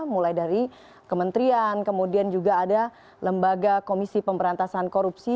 mulai dari kementerian kemudian juga ada lembaga komisi pemberantasan korupsi